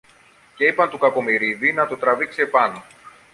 και είπαν του Κακομοιρίδη να το τραβήξει απάνω